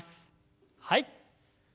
はい。